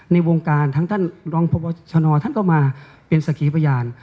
ในวงการทั้งท่านรองพบชนท่านก็มาเป็นสักขีพยาน